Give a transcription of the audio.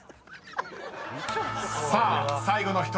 ［さあ最後の１人。